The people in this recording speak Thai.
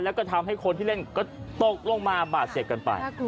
แล้วก็ทำให้คนที่เล่นก็ตกลงมาบาดเจ็บกันไป